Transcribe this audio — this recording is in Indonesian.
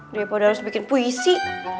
daripada harus bikin puisi